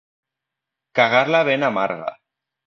Cagar-la ben amarga.